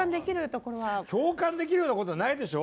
共感できるようなことないでしょ？